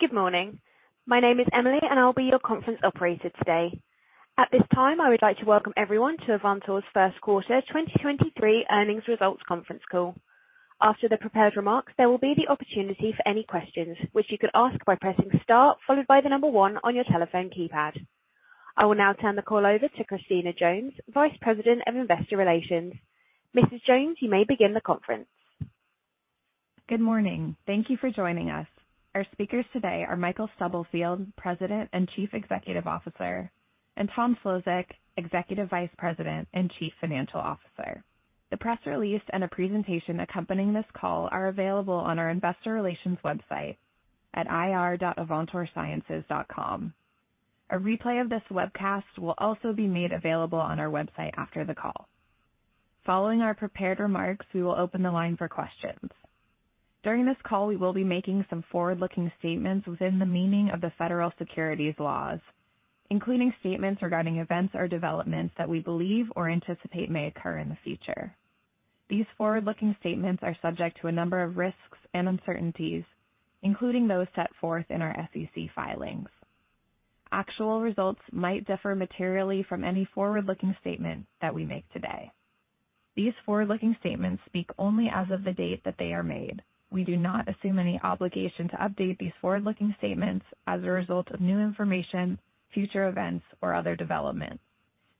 Good morning. My name is Emily, and I'll be your conference operator today. At this time, I would like to welcome everyone to Avantor's Q1 2023 Earnings Results Conference Call. After the prepared remarks, there will be the opportunity for any questions, which you can ask by pressing Start, followed by the number one on your telephone keypad. I will now turn the call over to Christina Jones, Vice President of Investor Relations. Mrs. Jones, you may begin the conference. Good morning. Thank you for joining us. Our speakers today are Michael Stubblefield, President and Chief Executive Officer, and Thomas Szlosek, Executive Vice President and Chief Financial Officer. The press release and a presentation accompanying this call are available on our investor relations website at ir.avantorsciences.com. A replay of this webcast will also be made available on our website after the call. Following our prepared remarks, we will open the line for questions. During this call, we will be making some forward-looking statements within the meaning of the federal securities laws, including statements regarding events or developments that we believe or anticipate may occur in the future. These forward-looking statements are subject to a number of risks and uncertainties, including those set forth in our SEC filings. Actual results might differ materially from any forward-looking statement that we make today. These forward-looking statements speak only as of the date that they are made. We do not assume any obligation to update these forward-looking statements as a result of new information, future events, or other developments.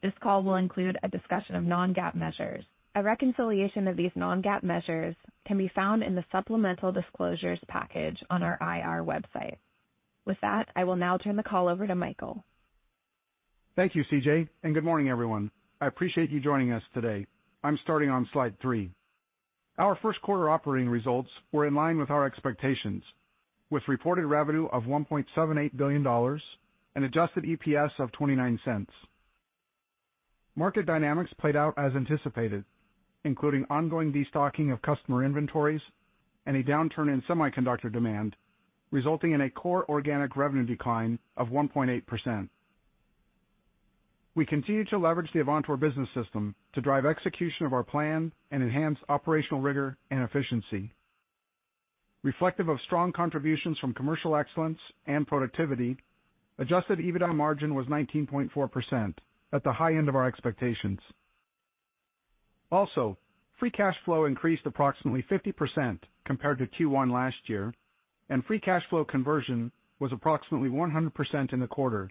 This call will include a discussion of non-GAAP measures. A reconciliation of these non-GAAP measures can be found in the supplemental disclosures package on our IR website. With that, I will now turn the call over to Michael. Thank you, CJ. Good morning, everyone. I appreciate you joining us today. I'm starting on slide three. Our Q1 operating results were in line with our expectations, with reported revenue of $1.78 billion and adjusted EPS of $0.29. Market dynamics played out as anticipated, including ongoing destocking of customer inventories and a downturn in semiconductor demand, resulting in a core organic revenue decline of 1.8%. We continue to leverage the Avantor Business System to drive execution of our plan and enhance operational rigor and efficiency. Reflective of strong contributions from commercial excellence and productivity, adjusted EBITDA margin was 19.4%, at the high end of our expectations. Free cash flow increased approximately 50% compared to Q1 last year, and free cash flow conversion was approximately 100% in the quarter,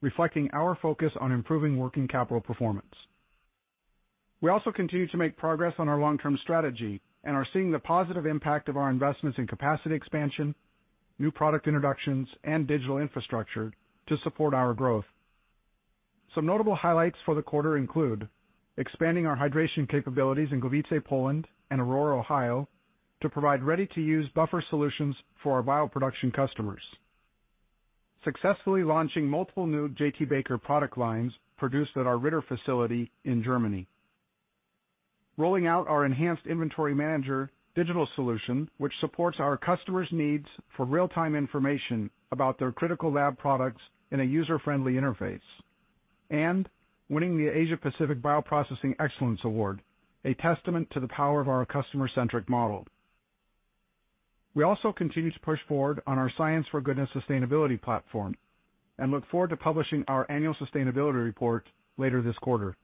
reflecting our focus on improving working capital performance. We also continue to make progress on our long-term strategy and are seeing the positive impact of our investments in capacity expansion, new product introductions, and digital infrastructure to support our growth. Some notable highlights for the quarter include expanding our hydration capabilities in Gliwice, Poland, and Aurora, Ohio, to provide ready-to-use buffer solutions for our bioproduction customers. Successfully launching multiple new J.T.Baker product lines produced at our Ritter facility in Germany. Rolling out our enhanced Inventory Manager digital solution, which supports our customers' needs for real-time information about their critical lab products in a user-friendly interface. Winning the Asia-Pacific Bioprocessing Excellence Award, a testament to the power of our customer-centric model. We also continue to push forward on our Science for Goodness sustainability platform and look forward to publishing our annual sustainability report later this quarter.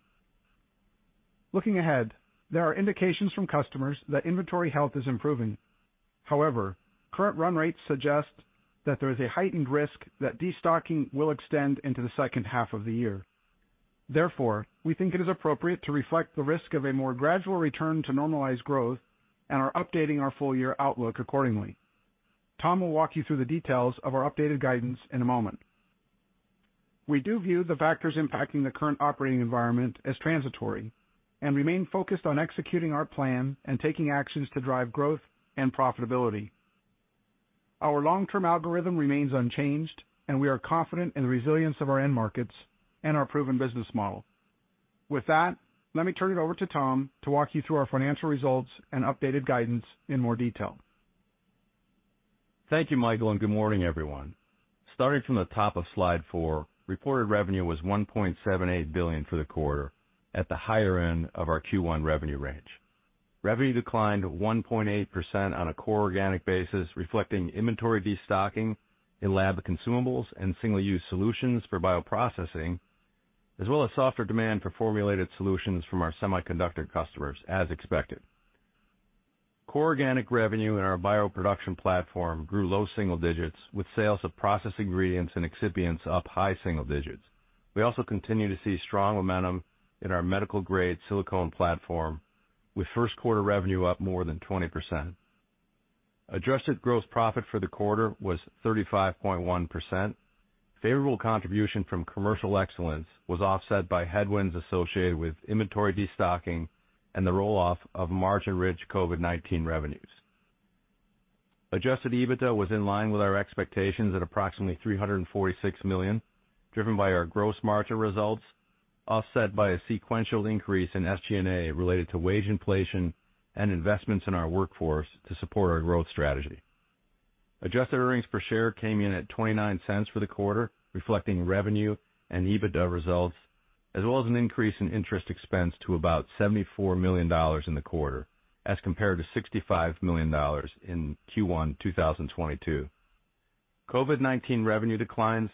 Looking ahead, there are indications from customers that inventory health is improving. Current run rates suggest that there is a heightened risk that destocking will extend into the second half of the year. We think it is appropriate to reflect the risk of a more gradual return to normalized growth and are updating our full year outlook accordingly. Tom will walk you through the details of our updated guidance in a moment. We do view the factors impacting the current operating environment as transitory and remain focused on executing our plan and taking actions to drive growth and profitability. Our long-term algorithm remains unchanged and we are confident in the resilience of our end markets and our proven business model. With that, let me turn it over to Tom to walk you through our financial results and updated guidance in more detail. Thank you, Michael, and good morning, everyone. Starting from the top of slide four, reported revenue was $1.78 billion for the quarter at the higher end of our Q1 revenue range. Revenue declined 1.8% on a core organic basis, reflecting inventory destocking in lab consumables and single-use solutions for bioprocessing, as well as softer demand for formulated solutions from our semiconductor customers, as expected. Core organic revenue in our bioproduction platform grew low single digits, with sales of bioprocess ingredients and excipients up high single digits. We also continue to see strong momentum in our medical-grade silicone platform, with Q1 revenue up more than 20%. Adjusted gross profit for the quarter was 35.1%. Favorable contribution from commercial excellence was offset by headwinds associated with inventory destocking and the roll-off of margin-rich COVID-19 revenues. Adjusted EBITDA was in line with our expectations at approximately $346 million, driven by our gross margin results, offset by a sequential increase in SG&A related to wage inflation and investments in our workforce to support our growth strategy. Adjusted earnings per share came in at $0.29 for the quarter, reflecting revenue and EBITDA results as well as an increase in interest expense to about $74 million in the quarter as compared to $65 million in Q1 2022. COVID-19 revenue declines,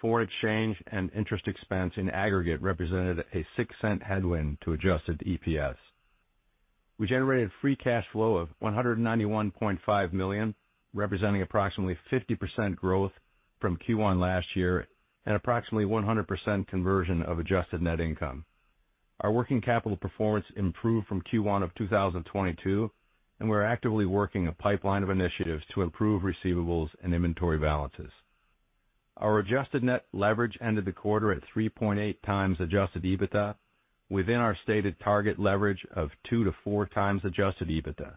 foreign exchange and interest expense in aggregate represented a $0.06 headwind to adjusted EPS. We generated free cash flow of $191.5 million, representing approximately 50% growth from Q1 last year and approximately 100% conversion of adjusted net income. Our working capital performance improved from Q1 of 2022. We're actively working a pipeline of initiatives to improve receivables and inventory balances. Our adjusted net leverage ended the quarter at 3.8x adjusted EBITDA within our stated target leverage of 2x to 4x adjusted EBITDA.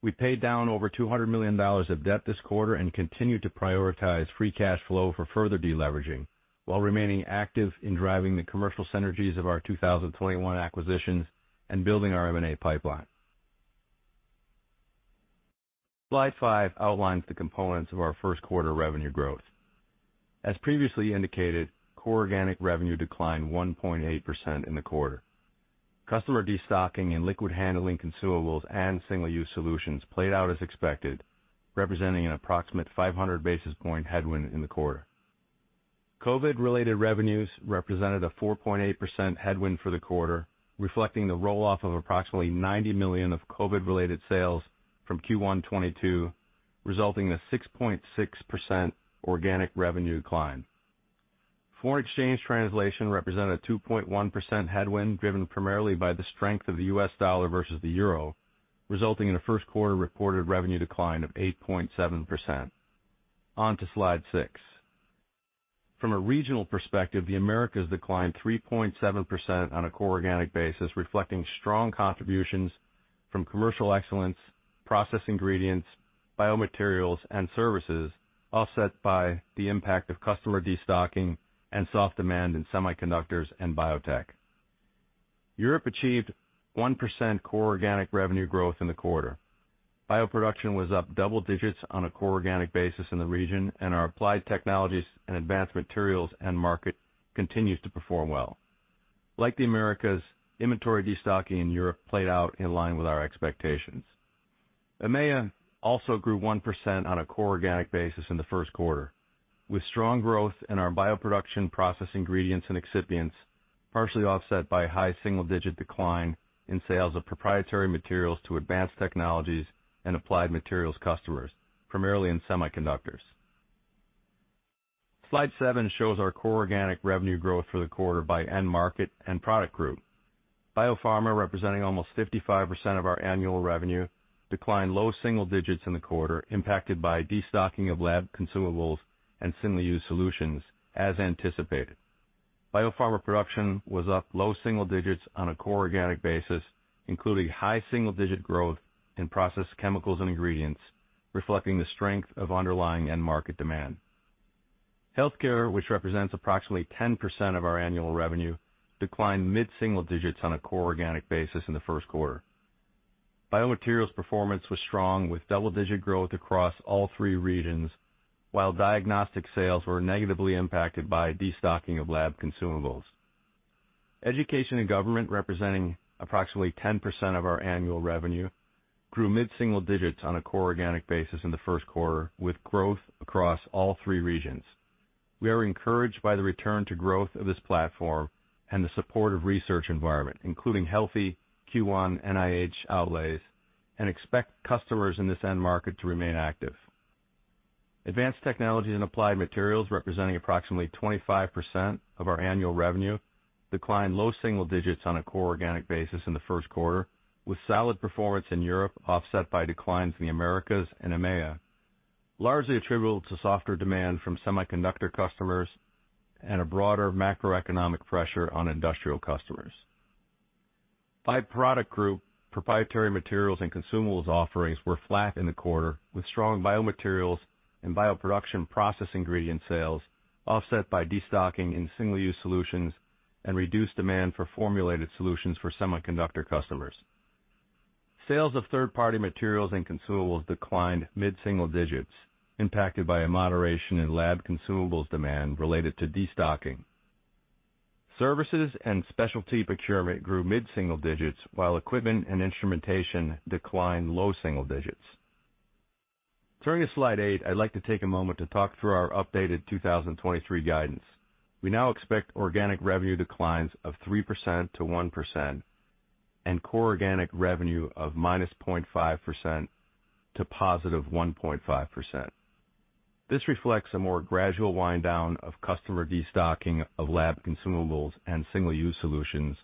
We paid down over $200 million of debt this quarter and continue to prioritize free cash flow for further deleveraging while remaining active in driving the commercial synergies of our 2021 acquisitions and building our M&A pipeline. Slide five outlines the components of our Q1 revenue growth. As previously indicated, core organic revenue declined 1.8% in the quarter. Customer destocking and liquid handling consumables and single-use solutions played out as expected, representing an approximate 500 basis point headwind in the quarter. COVID-related revenues represented a 4.8% headwind for the quarter, reflecting the roll-off of approximately $90 million of COVID-related sales from Q1 2022, resulting in a 6.6% organic revenue decline. Foreign exchange translation represented a 2.1% headwind, driven primarily by the strength of the US dollar versus the euro, resulting in a Q1 reported revenue decline of 8.7%. On to slide 6six. From a regional perspective, the Americas declined 3.7% on a core organic basis, reflecting strong contributions from commercial excellence, bioprocess ingredients, biomaterials and services, offset by the impact of customer destocking and soft demand in semiconductors and biotech. Europe achieved 1% core organic revenue growth in the quarter. Bioproduction was up double digits on a core organic basis in the region, and our applied technologies and advanced materials end market continues to perform well. Like the Americas, inventory destocking in Europe played out in line with our expectations. EMEA also grew 1% on a core organic basis in the Q1, with strong growth in our bioproduction Bioprocess ingredients and excipients, partially offset by a high single-digit decline in sales of proprietary materials to advanced technologies and applied materials customers, primarily in semiconductors. Slide seven shows our core organic revenue growth for the quarter by end market and product group. Biopharma, representing almost 55% of our annual revenue, declined low single digits in the quarter, impacted by destocking of lab consumables and single-use solutions as anticipated. Biopharma production was up low single digits on a core organic basis, including high single-digit growth in process chemicals and ingredients, reflecting the strength of underlying end market demand. Healthcare, which represents approximately 10% of our annual revenue, declined mid-single digits on a core organic basis in the Q1. Biomaterials performance was strong with double-digit growth across all three regions, while diagnostic sales were negatively impacted by destocking of lab consumables. Education and government, representing approximately 10% of our annual revenue, grew mid-single digits on a core organic basis in the Q1, with growth across all three regions. We are encouraged by the return to growth of this platform and the support of research environment, including healthy Q1 NIH outlays, and expect customers in this end market to remain active. Advanced technologies and applied materials, representing approximately 25% of our annual revenue, declined low single digits on a core organic basis in the Q1, with solid performance in Europe offset by declines in the Americas and EMEA, largely attributable to softer demand from semiconductor customers and a broader macroeconomic pressure on industrial customers. By product group, proprietary materials and consumables offerings were flat in the quarter, with strong biomaterials and bioproduction process ingredient sales offset by destocking in single-use solutions and reduced demand for formulated solutions for semiconductor customers. Sales of third-party materials and consumables declined mid-single digits, impacted by a moderation in lab consumables demand related to destocking. Services and specialty procurement grew mid-single digits, while equipment and instrumentation declined low single digits. Turning to slide eight, I'd like to take a moment to talk through our updated 2023 guidance. We now expect organic revenue declines of 3% to 1% and core organic revenue of -0.5% to +1.5%. This reflects a more gradual wind down of customer destocking of lab consumables and single-use solutions,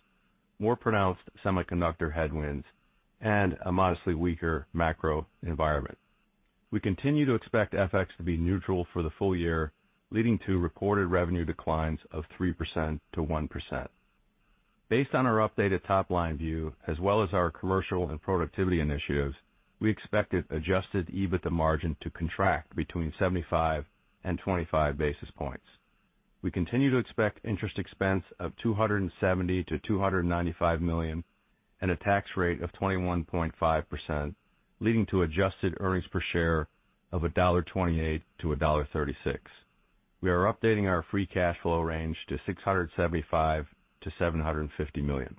more pronounced semiconductor headwinds, and a modestly weaker macro environment. We continue to expect FX to be neutral for the full year, leading to reported revenue declines of 3%-1%. Based on our updated top-line view, as well as our commercial and productivity initiatives, we expect adjusted EBITDA margin to contract between 75 and 25 basis points. We continue to expect interest expense of $270 million to $295 million. A tax rate of 21.5%, leading to adjusted EPS of $1.28 to $1.36. We are updating our free cash flow range to $675 million-to $750 million.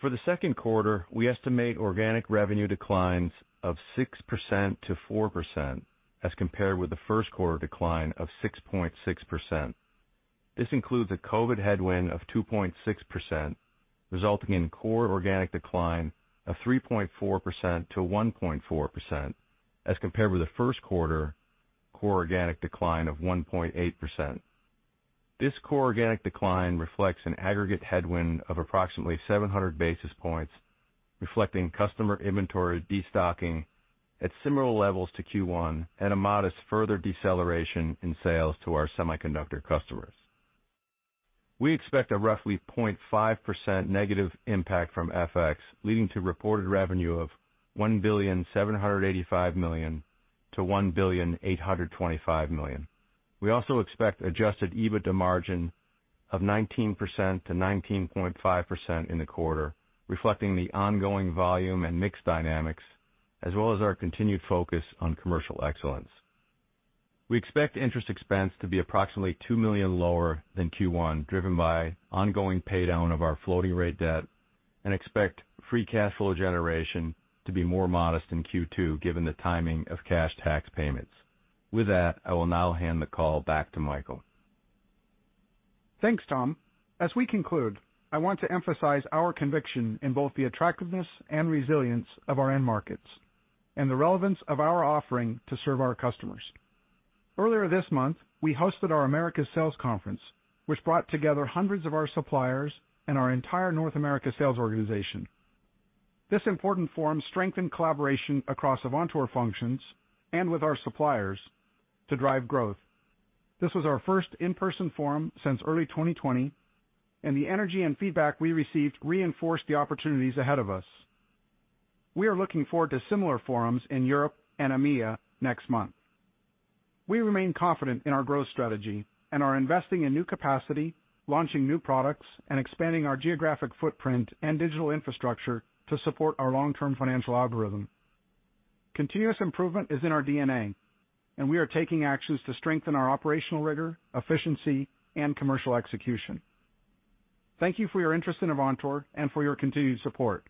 For the Q2, we estimate organic revenue declines of 6% to 4% as compared with the Q1 decline of 6.6%. This includes a COVID headwind of 2.6%, resulting in core organic decline of 3.4 to -1.4% as compared with the Q1 core organic decline of 1.8%. This core organic decline reflects an aggregate headwind of approximately 700 basis points, reflecting customer inventory destocking at similar levels to Q1 and a modest further deceleration in sales to our semiconductor customers. We expect a roughly 0.5% negative impact from FX, leading to reported revenue of $1.785 billion to to $1.825 billion. We also expect adjusted EBITDA margin of 19% to 19.5% in the quarter, reflecting the ongoing volume and mix dynamics as well as our continued focus on commercial excellence. We expect interest expense to be approximately $2 million lower than Q1, driven by ongoing paydown of our floating rate debt. We expect free cash flow generation to be more modest in Q2 given the timing of cash tax payments. With that, I will now hand the call back to Michael. Thanks, Tom. As we conclude, I want to emphasize our conviction in both the attractiveness and resilience of our end markets and the relevance of our offering to serve our customers. Earlier this month, we hosted our Americas Sales Conference, which brought together hundreds of our suppliers and our entire North America sales organization. This important forum strengthened collaboration across Avantor functions and with our suppliers to drive growth. This was our first in-person forum since early 2020, and the energy and feedback we received reinforced the opportunities ahead of us. We are looking forward to similar forums in Europe and EMEA next month. We remain confident in our growth strategy and are investing in new capacity, launching new products, and expanding our geographic footprint and digital infrastructure to support our long-term financial algorithm. Continuous improvement is in our DNA, and we are taking actions to strengthen our operational rigor, efficiency, and commercial execution. Thank you for your interest in Avantor and for your continued support.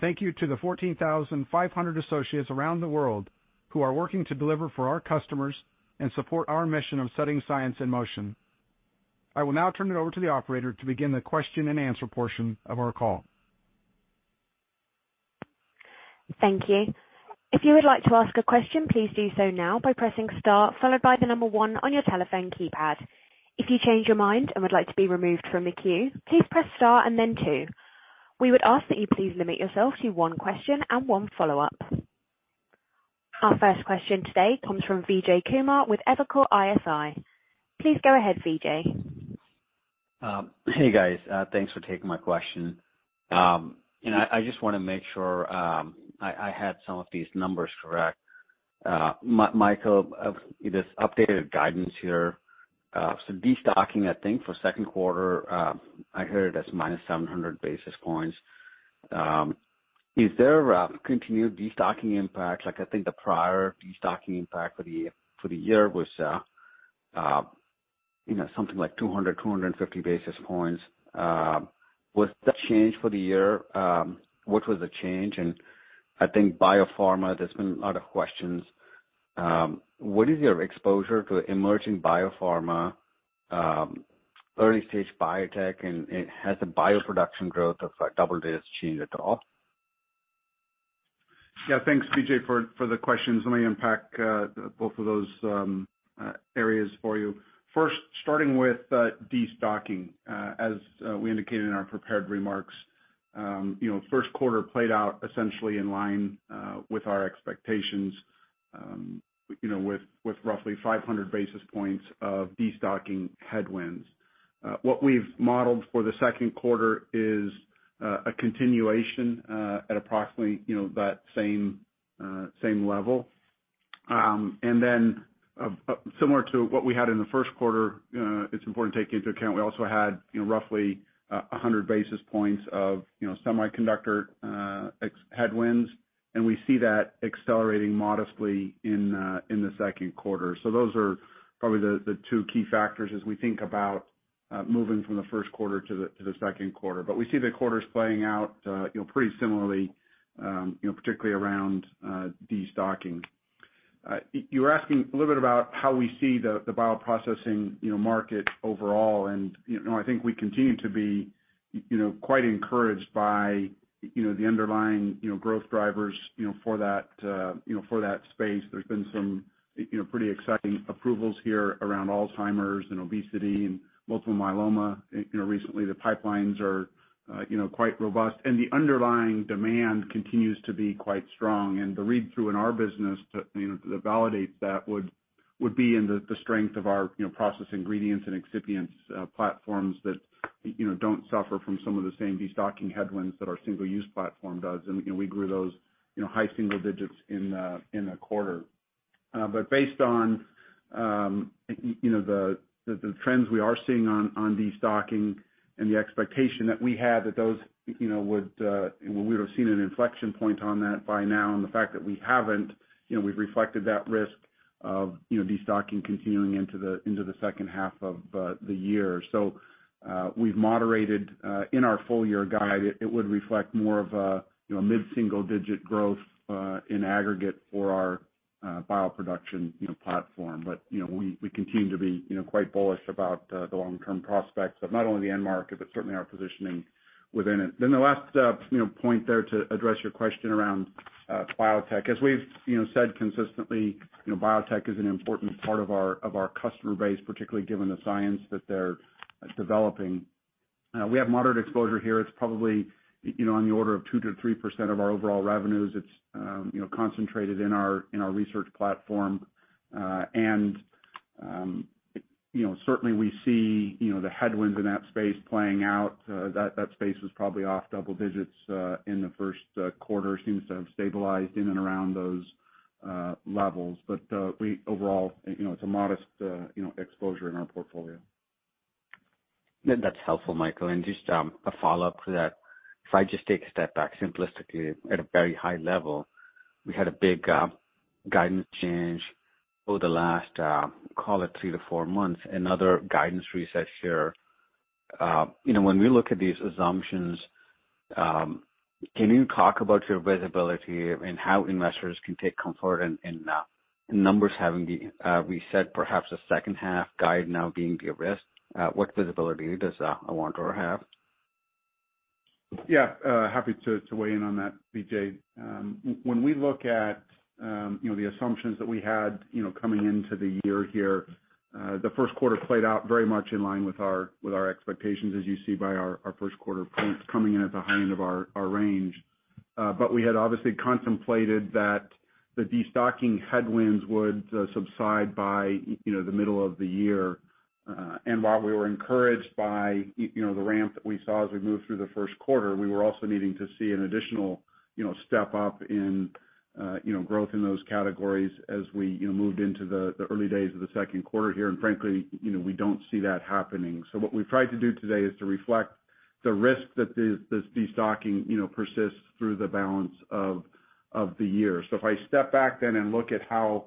Thank you to the 14,500 associates around the world who are working to deliver for our customers and support our mission of setting science in motion. I will now turn it over to the operator to begin the Q&A portion of our call. Thank you. If you would like to ask a question, please do so now by pressing star followed by one on your telephone keypad. If you change your mind and would like to be removed from the queue, please press star and then two. We would ask that you please limit yourself to one question and one follow-up. Our first question today comes from Vijay Kumar with Evercore ISI. Please go ahead, Vijay. Hey, guys, thanks for taking my question. You know, I just wanna make sure, I had some of these numbers correct. Michael, of this updated guidance here, destocking, I think for Q2, I heard it as minus 700 basis points. Is there a continued destocking impact? Like I think the prior destocking impact for the year was, you know, something like 250 basis points. Was that changed for the year? What was the change? I think biopharma, there's been a lot of questions. What is your exposure to emerging biopharma, early stage biotech, and has the bioproduction growth of, like double digits changed at all? Yeah. Thanks, Vijay, for the questions. Let me unpack both of those areas for you. First, starting with destocking. As we indicated in our prepared remarks, you know, Q1 played out essentially in line with our expectations, you know, with roughly 500 basis points of destocking headwinds. What we've modeled for the Q2 is a continuation at approximately, you know, that same same level. And then, similar to what we had in the Q1, it's important to take into account we also had, you know, roughly 100 basis points of, you know, semiconductor headwinds, and we see that accelerating modestly in the Q2. Those are probably the two key factors as we think about moving from the Q1 to the Q2. We see the quarters playing out, you know, pretty similarly, you know, particularly around destocking. You were asking a little bit about how we see the bioprocessing, you know, market overall, and, you know, I think we continue to be, you know, quite encouraged by, you know, the underlying, you know, growth drivers, you know, for that, you know, for that space. There's been some, you know, pretty exciting approvals here around Alzheimer's and obesity and multiple myeloma. You know, recently the pipelines are, you know, quite robust, and the underlying demand continues to be quite strong. The read-through in our business to, you know, to validate that would be in the strength of our, you know, bioprocess ingredients and excipients, platforms that, you know, don't suffer from some of the same destocking headwinds that our single-use platform does. We grew those, you know, high single digits in the quarter. Based on, you know, the trends we are seeing on destocking and the expectation that we had that those, you know, would, we would have seen an inflection point on that by now, and the fact that we haven't, you know, we've reflected that risk of, you know, destocking continuing into the second half of the year. We've moderated in our full year guide, it would reflect more of a, you know, mid-single digit growth in aggregate for our bioproduction, you know, platform. We continue to be, you know, quite bullish about the long-term prospects of not only the end market, but certainly our positioning within it. The last, you know, point there to address your question around biotech. As we've, you know, said consistently, you know, biotech is an important part of our, of our customer base, particularly given the science that they're developing. We have moderate exposure here. It's probably, you know, on the order of 2% to 3% of our overall revenues. It's, you know, concentrated in our, in our research platform. You know, certainly we see, you know, the headwinds in that space playing out. That, that space was probably off double digits, in the Q1, seems to have stabilized in and around those, levels. We overall, you know, it's a modest, you know, exposure in our portfolio. That's helpful, Michael. Just a follow-up to that. If I just take a step back simplistically at a very high level, we had a big guidance change over the last call it three to four months, another guidance reset here. You know, when we look at these assumptions, can you talk about your visibility and how investors can take comfort in numbers having reset, perhaps a second half guide now being de-risked? What visibility does Avantor's have? Yeah, happy to weigh in on that, Vijay. When we look at, you know, the assumptions that we had, you know, coming into the year here, the Q1 played out very much in line with our expectations, as you see by our Q1 prints coming in at the high end of our range. We had obviously contemplated that the destocking headwinds would subside by, you know, the middle of the year. While we were encouraged by you know, the ramp that we saw as we moved through the Q1, we were also needing to see an additional, you know, step up in, you know, growth in those categories as we, you know, moved into the early days of the Q2 here. Frankly, you know, we don't see that happening. What we've tried to do today is to reflect the risk that this destocking, you know, persists through the balance of the year. If I step back then and look at how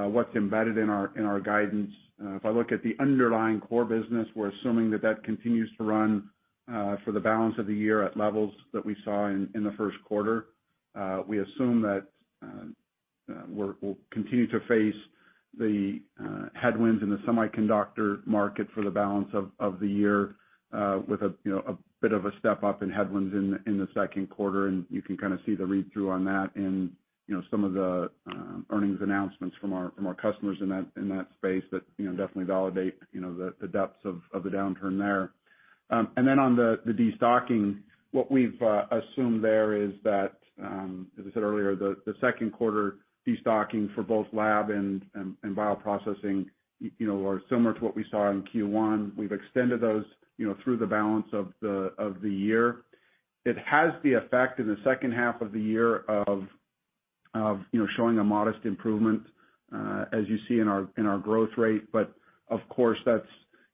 what's embedded in our guidance, if I look at the underlying core business, we're assuming that that continues to run for the balance of the year at levels that we saw in the Q1. We assume that we'll continue to face the headwinds in the semiconductor market for the balance of the year, with a, you know, a bit of a step up in headwinds in the Q2. You can kind of see the read-through on that in, you know, some of the earnings announcements from our, from our customers in that, in that space that, you know, definitely validate, you know, the depths of the downturn there. Then on the destocking, what we've assumed there is that, as I said earlier, the Q2 destocking for both lab and bioprocessing, you know, are similar to what we saw in Q1. We've extended those, you know, through the balance of the year. It has the effect in the second half of the year of, you know, showing a modest improvement, as you see in our growth rate. Of course, that's,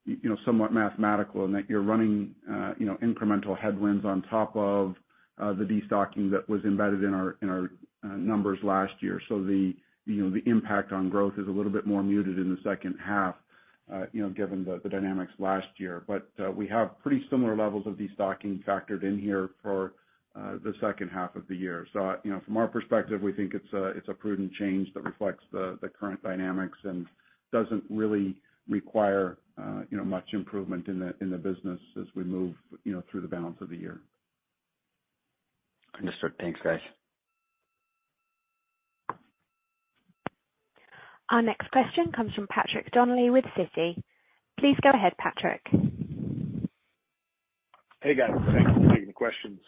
you know, somewhat mathematical in that you're running, you know, incremental headwinds on top of the destocking that was embedded in our numbers last year. The, you know, the impact on growth is a little bit more muted in the second half, you know, given the dynamics last year. We have pretty similar levels of destocking factored in here for the second half of the year. From our perspective, we think it's a prudent change that reflects the current dynamics and doesn't really require, you know, much improvement in the business as we move, you know, through the balance of the year. Understood. Thanks, guys. Our next question comes from Patrick Donnelly with Citi. Please go ahead, Patrick. Hey, guys. Thanks for taking the questions.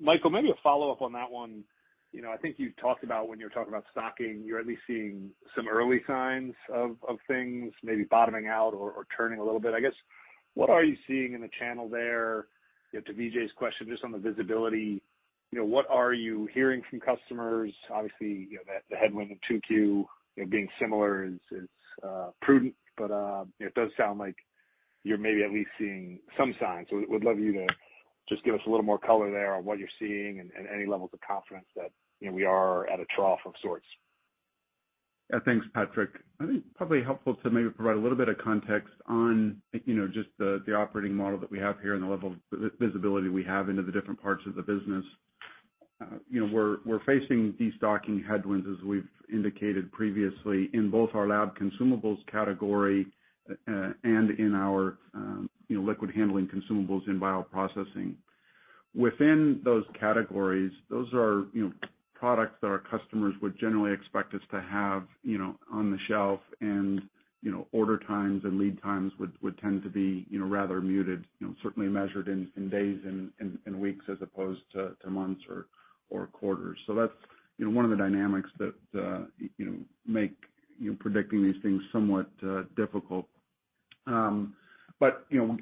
Michael, maybe a follow-up on that one. You know, I think you've talked about when you're talking about stocking, you're at least seeing some early signs of things maybe bottoming out or turning a little bit. I guess, what are you seeing in the channel there? You know, to Vijay's question, just on the visibility, you know, what are you hearing from customers? Obviously, you know, the headwind in 2Q, you know, being similar is prudent, but it does sound like you're maybe at least seeing some signs. Would love you to just give us a little more color there on what you're seeing and any levels of confidence that, you know, we are at a trough of sorts. Yeah. Thanks, Patrick. I think probably helpful to maybe provide a little bit of context on, you know, just the operating model that we have here and the level of visibility we have into the different parts of the business. You know, we're facing destocking headwinds, as we've indicated previously, in both our lab consumables category, and in our, you know, liquid handling consumables in bioprocessing. Within those categories, those are, you know, products that our customers would generally expect us to have, you know, on the shelf and, you know, order times and lead times would tend to be, you know, rather muted, you know, certainly measured in days and weeks as opposed to months or quarters. That's, you know, one of the dynamics that, you know, make, you know, predicting these things somewhat difficult. We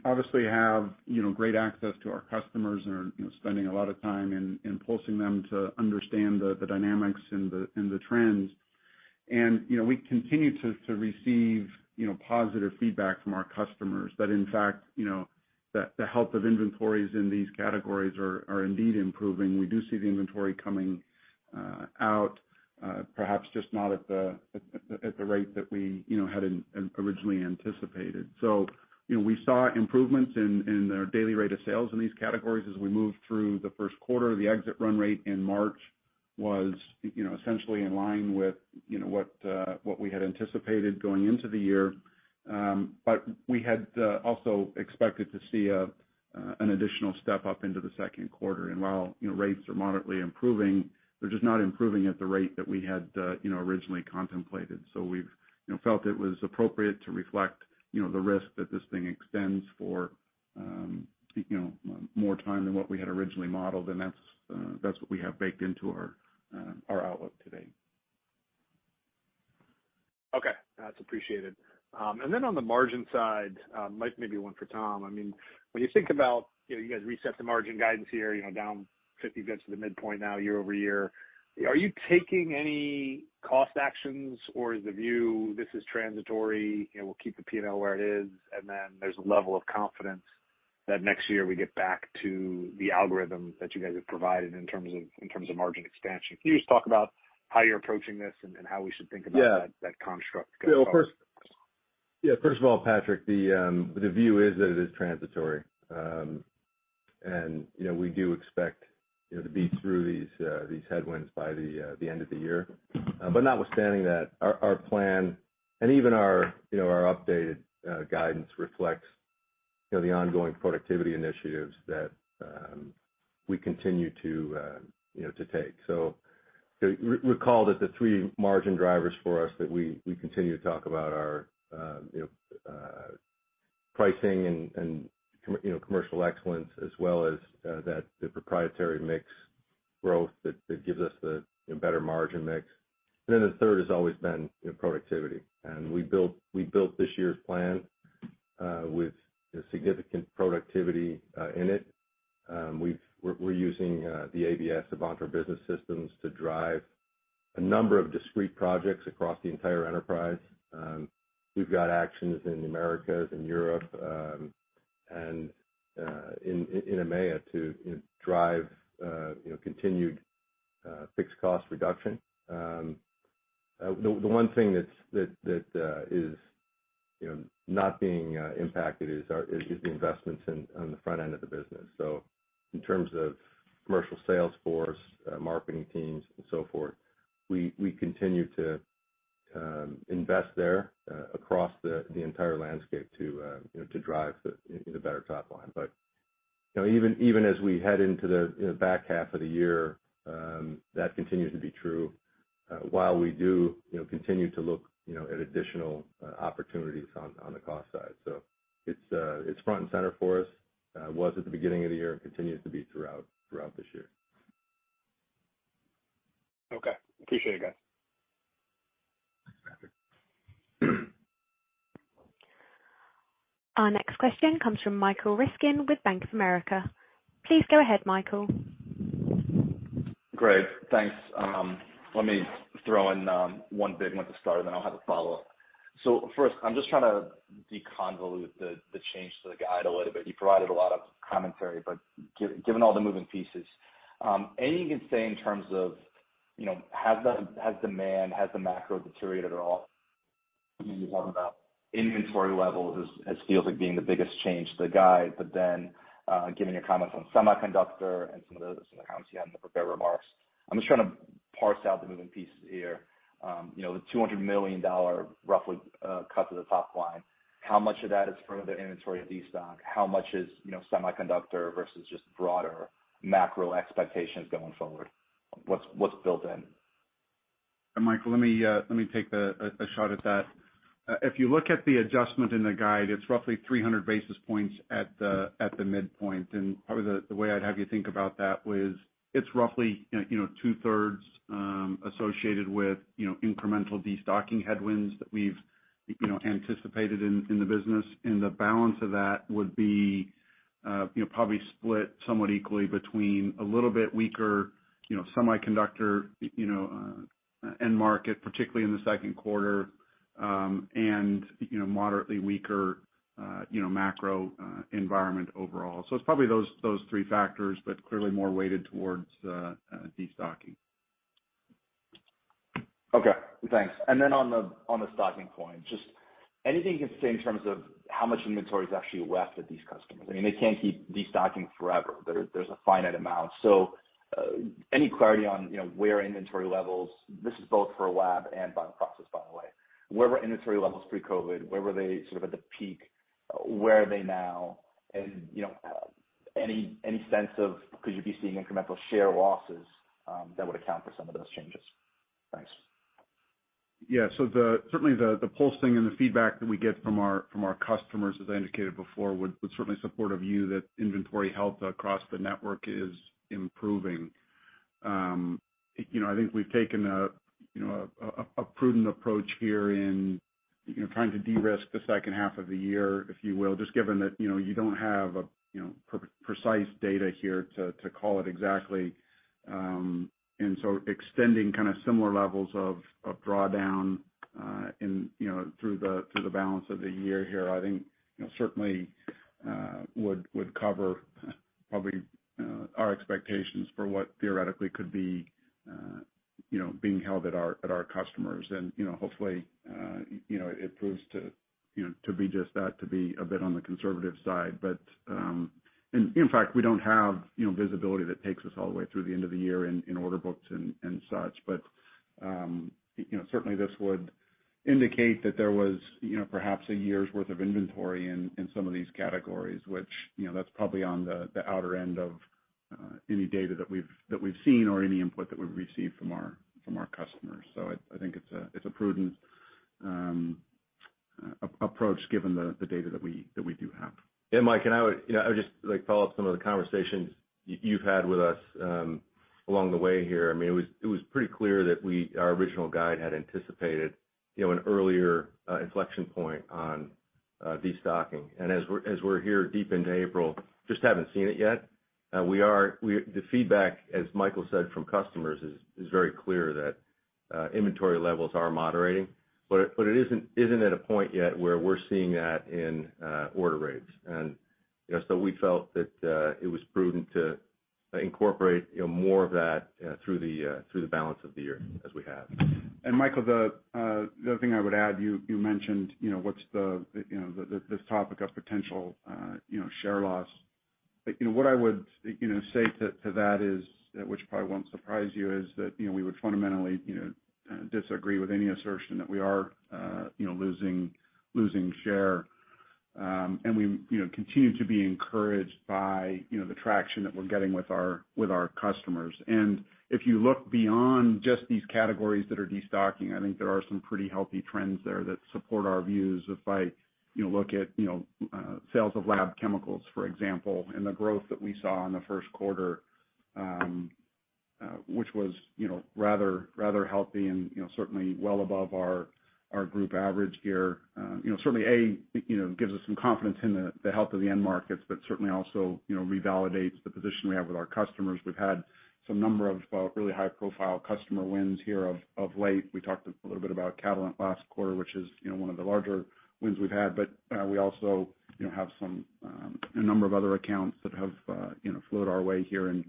obviously have, you know, great access to our customers and are, you know, spending a lot of time in pulsing them to understand the dynamics and the, and the trends. We continue to receive, you know, positive feedback from our customers that in fact, you know, that the health of inventories in these categories are indeed improving. We do see the inventory coming out, perhaps just not at the rate that we, you know, had originally anticipated. We saw improvements in our daily rate of sales in these categories as we moved through the Q1. The exit run rate in March was, you know, essentially in line with, you know, what we had anticipated going into the year. We had also expected to see an additional step up into the Q2. While, you know, rates are moderately improving, they're just not improving at the rate that we had, you know, originally contemplated. We've, you know, felt it was appropriate to reflect, you know, the risk that this thing extends for, you know, more time than what we had originally modeled, and that's what we have baked into our outlook today. Okay. That's appreciated. Then on the margin side, maybe one for Tom. I mean, when you think about, you guys reset the margin guidance here, down 50 bits to the midpoint now year-over-year, are you taking any cost actions, or is the view this is transitory and we'll keep the PNL where it is, and then there's a level of confidence that next year we get back to the algorithm that you guys have provided in terms of margin expansion? Can you just talk about how you're approaching this and how we should think about that? Yeah. that construct going forward? Yeah. Of course. Yeah, first of all, Patrick, the view is that it is transitory. You know, we do expect, you know, to be through these headwinds by the end of the year. Notwithstanding that, our plan and even our, you know, our updated guidance reflects, you know, the ongoing productivity initiatives that we continue to, you know, to take. Recall that the three margin drivers for us that we continue to talk about are, you know, pricing and, you know, commercial excellence as well as that the proprietary mix growth that gives us the, you know, better margin mix. Then the third has always been, you know, productivity. We built this year's plan with significant productivity in it. We're using the ABS, the Avantor Business Systems, to drive a number of discrete projects across the entire enterprise. We've got actions in Americas, in Europe, and in EMEA to drive, you know, continued fixed cost reduction. The one thing that's that is, you know, not being impacted is our investments in on the front end of the business. In terms of commercial sales force, marketing teams and so forth, we continue to invest there across the entire landscape to, you know, to drive the, you know, better top line. You know, even as we head into the, you know, back half of the year, that continues to be true, while we do, you know, continue to look, you know, at additional opportunities on the cost side. It's front and center for us, was at the beginning of the year and continues to be throughout this year. Okay. Appreciate it, guys. Thanks, Patrick. Our next question comes from Michael Ryskin with Bank of America. Please go ahead, Michael. Great. Thanks. Let me throw in one big one to start, and then I'll have a follow-up. First, I'm just trying to deconvolute the change to the guide a little bit. You provided a lot of commentary, but given all the moving pieces, anything you can say in terms of, you know, has the, has demand, has the macro deteriorated at all? You talked about inventory levels as feels like being the biggest change to the guide. Given your comments on semiconductor and some of the, some of the comments you had in the prepared remarks, I'm just trying to parse out the moving pieces here. You know, the $200 million roughly cut to the top line, how much of that is from the inventory of destock? How much is, you know, semiconductor versus just broader macro expectations going forward? What's built in? Michael, let me take a shot at that. If you look at the adjustment in the guide, it's roughly 300 basis points at the midpoint. Probably the way I'd have you think about that was it's roughly, you know, two-thirds associated with, you know, incremental destocking headwinds that we've, you know, anticipated in the business. The balance of that would be, you know, probably split somewhat equally between a little bit weaker, you know, semiconductor end market, particularly in the Q2, and, you know, moderately weaker, you know, macro environment overall. It's probably those three factors, but clearly more weighted towards destocking. Okay. Thanks. Then on the, on the stocking point, just anything you can say in terms of how much inventory is actually left with these customers? I mean, they can't keep destocking forever. There, there's a finite amount. Any clarity on, you know, where inventory levels. This is both for lab and bioprocess, by the way. Where were inventory levels pre-COVID? Where were they sort of at the peak? Where are they now? You know, any sense of could you be seeing incremental share losses that would account for some of those changes? Thanks. The, certainly the pulsing and the feedback that we get from our, from our customers, as I indicated before, would certainly support a view that inventory health across the network is improving. you know, I think we've taken a, you know, a prudent approach here in, you know, trying to de-risk the second half of the year, if you will, just given that, you know, you don't have a, you know, pre-precise data here to call it exactly. Extending kind of similar levels of drawdown, in, you know, through the, through the balance of the year here, I think, you know, certainly, would cover probably, our expectations for what theoretically could be, you know, being held at our, at our customers. you know, hopefully, you know, it proves to, you know, to be just that, to be a bit on the conservative side. In fact, we don't have, you know, visibility that takes us all the way through the end of the year in order books and such. you know, certainly this would indicate that there was, you know, perhaps a year's worth of inventory in some of these categories, which, you know, that's probably on the outer end of any data that we've seen or any input that we've received from our customers. I think it's a prudent approach given the data that we do have. Yeah, Mike, and I would, you know, I would just like follow up some of the conversations you've had with us, along the way here. I mean, it was pretty clear that our original guide had anticipated, you know, an earlier inflection point on destocking. As we're here deep into April, just haven't seen it yet. The feedback, as Michael said, from customers is very clear that inventory levels are moderating. But it isn't at a point yet where we're seeing that in order rates. You know, so we felt that it was prudent to incorporate, you know, more of that through the balance of the year as we have. Michael, the other thing I would add, you mentioned, you know, what's the, you know, the, this topic of potential, you know, share loss. You know, what I would, you know, say to that is, which probably won't surprise you, is that, you know, we would fundamentally, you know, disagree with any assertion that we are, you know, losing share. We, you know, continue to be encouraged by, you know, the traction that we're getting with our customers. If you look beyond just these categories that are destocking, I think there are some pretty healthy trends there that support our views. If I, you know, look at, you know, sales of lab chemicals, for example, and the growth that we saw in the Q1, which was, you know, rather healthy and, you know, certainly well above our group average here, you know, certainly A, you know, gives us some confidence in the health of the end markets, but certainly also, you know, revalidates the position we have with our customers. We've had some number of really high-profile customer wins here of late. We talked a little bit about Catalent last quarter, which is, you know, one of the larger wins we've had. We also, you know, have some a number of other accounts that have, you know, flowed our way here in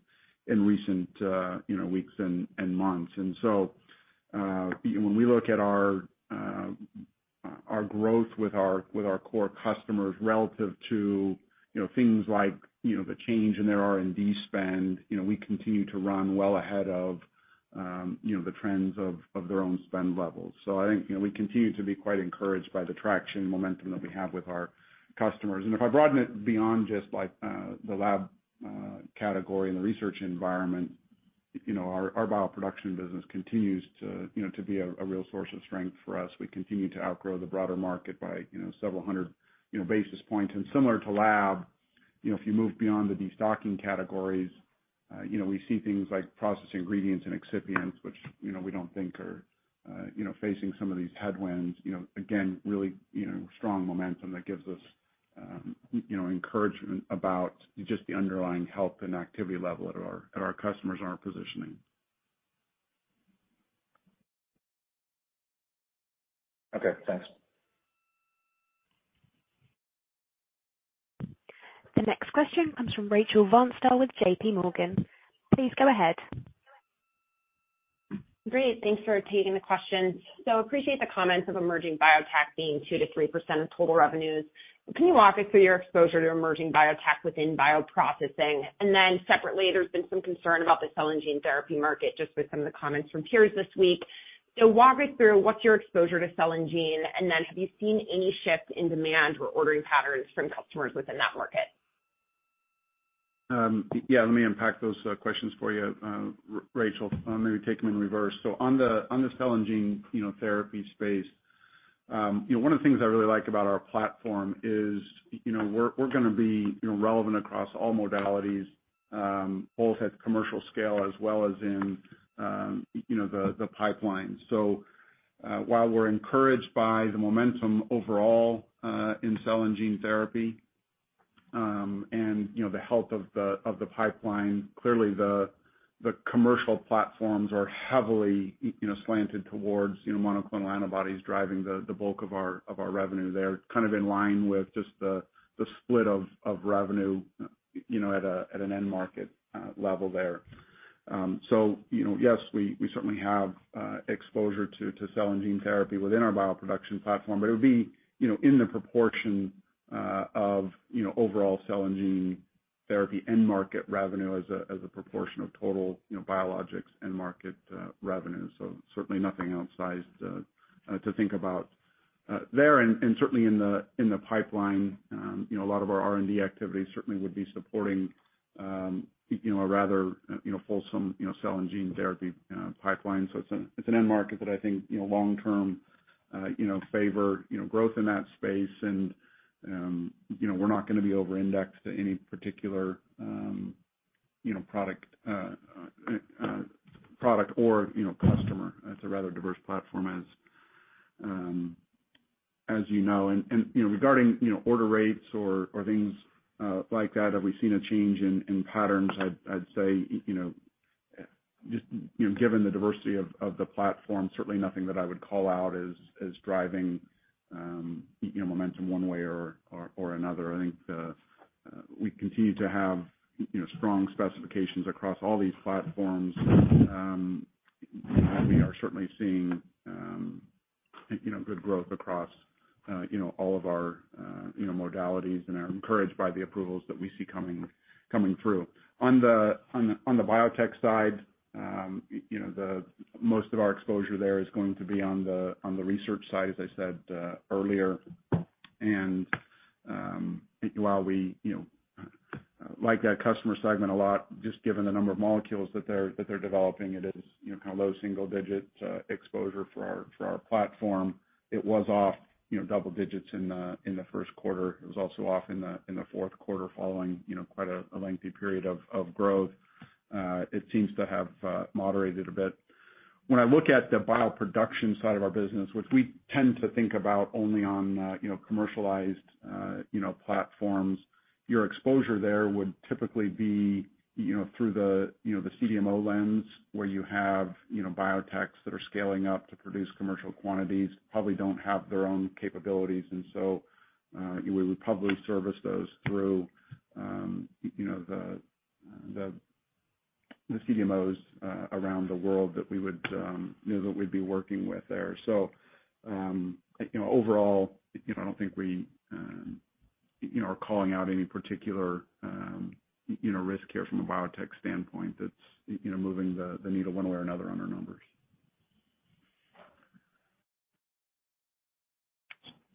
recent, you know, weeks and months. When we look at our growth with our, with our core customers relative to, you know, things like, you know, the change in their R&D spend, you know, we continue to run well ahead of, you know, the trends of their own spend levels. I think, you know, we continue to be quite encouraged by the traction and momentum that we have with our customers. If I broaden it beyond just like, the lab, category and the research environment, you know, our bioproduction business continues to, you know, to be a real source of strength for us. We continue to outgrow the broader market by, you know, several hundred, you know, basis points. Similar to lab, you know, if you move beyond the destocking categories, you know, we see things like processing ingredients and excipients, which, you know, we don't think are, you know, facing some of these headwinds, you know, again, really, you know, strong momentum that gives us, you know, encouragement about just the underlying health and activity level at our, at our customers and our positioning. Okay, thanks. The next question comes from Rachel Vatnsdal with JPMorgan. Please go ahead. Great. Thanks for taking the questions. Appreciate the comments of emerging biotech being 2% to 3% of total revenues. Can you walk us through your exposure to emerging biotech within bioprocessing? Separately, there's been some concern about the cell and gene therapy market, just with some of the comments from peers this week. Walk me through what's your exposure to cell and gene, and then have you seen any shift in demand or ordering patterns from customers within that market? Yeah, let me unpack those questions for you, Rachel. I'll maybe take them in reverse. On the cell and gene, you know, therapy space, you know, one of the things I really like about our platform is, you know, we're gonna be, you know, relevant across all modalities, both at commercial scale as well as in, you know, the pipeline. While we're encouraged by the momentum overall in cell and gene therapy, and, you know, the health of the pipeline, clearly the commercial platforms are heavily, you know, slanted towards, you know, monoclonal antibodies driving the bulk of our revenue there, kind of in line with just the split of revenue, you know, at an end market level there. You know, yes, we certainly have exposure to cell and gene therapy within our bioproduction platform, but it would be, you know, in the proportion of, you know, overall cell and gene therapy end market revenue as a proportion of total, you know, biologics end market revenue. Certainly nothing outsized to think about there. Certainly in the pipeline, you know, a lot of our R&D activity certainly would be supporting, you know, a rather, you know, fulsome, you know, cell and gene therapy, you know, pipeline. It's an end market that I think, you know, long term, you know, favor, you know, growth in that space. You know, we're not gonna be over-indexed to any particular, you know, product or, you know, customer. It's a rather diverse platform as you know. You know, regarding, you know, order rates or things like that, have we seen a change in patterns? I'd say, you know, just, you know, given the diversity of the platform, certainly nothing that I would call out as driving, you know, momentum one way or another. I think, we continue to have, you know, strong specifications across all these platforms. We are certainly seeing, you know, good growth across, you know, all of our, you know, modalities and are encouraged by the approvals that we see coming through. On the biotech side, you know, most of our exposure there is going to be on the research side, as I said, earlier. While we, you know, like that customer segment a lot, just given the number of molecules that they're developing, it is, you know, kind of low single-digit exposure for our platform. It was off, you know, double-digits in the Q1. It was also off in the Q4 following, you know, quite a lengthy period of growth. It seems to have moderated a bit. When I look at the bioproduction side of our business, which we tend to think about only on, you know, commercialized, you know, platforms, your exposure there would typically be, you know, through the, you know, CDMO lens where you have, you know, biotechs that are scaling up to produce commercial quantities, probably don't have their own capabilities. We would probably service those through, you know, the CDMOs around the world that we would, you know, that we'd be working with there. You know, overall, you know, I don't think we, you know, are calling out any particular, you know, risk here from a biotech standpoint that's, you know, moving the needle one way or another on our numbers.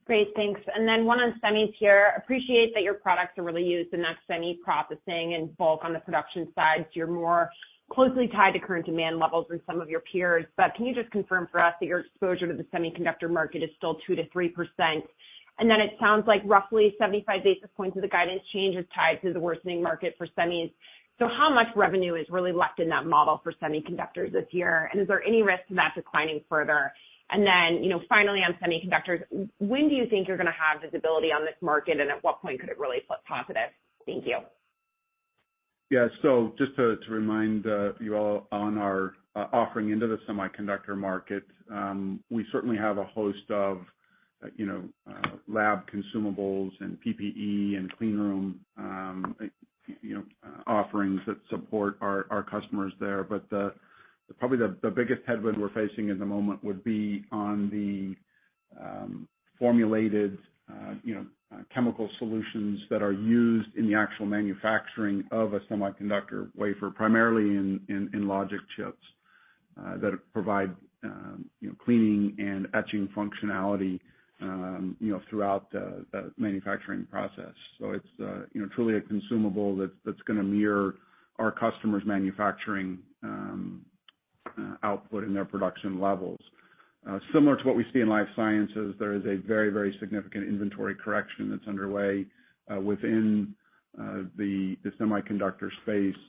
Great. Thanks. One on semis here. Appreciate that your products are really used in that semi processing in bulk on the production side, so you're more closely tied to current demand levels than some of your peers. Can you just confirm for us that your exposure to the semiconductor market is still 2% to 3%? It sounds like roughly 75 basis points of the guidance change is tied to the worsening market for semis. How much revenue is really left in that model for semiconductors this year? Is there any risk to that declining further? You know, finally, on semiconductors, when do you think you're gonna have visibility on this market, and at what point could it really flip positive? Thank you. Yeah. Just to remind you all on our offering into the semiconductor market, we certainly have a host of, you know, lab consumables and PPE and clean room offerings that support our customers there. Probably the biggest headwind we're facing at the moment would be on the formulated, you know, chemical solutions that are used in the actual manufacturing of a semiconductor wafer, primarily in logic chips that provide, you know, cleaning and etching functionality, you know, throughout the manufacturing process. It's, you know, truly a consumable that's gonna mirror our customers' manufacturing output and their production levels. Similar to what we see in life sciences, there is a very, very significant inventory correction that's underway within the semiconductor space.